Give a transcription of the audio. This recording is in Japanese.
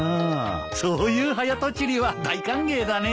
そういう早とちりは大歓迎だね。